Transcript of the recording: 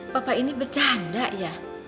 papa ini bercanda ya